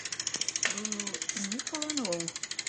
Был... ни ҡыланыуың?!